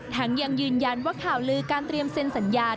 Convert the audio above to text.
ยังยืนยันว่าข่าวลือการเตรียมเซ็นสัญญา